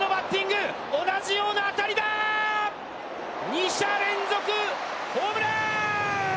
２者連続ホームラン！